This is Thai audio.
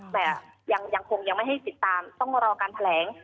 แต่ยังคงยังไม่ให้ติดตามต้องรอการแถลง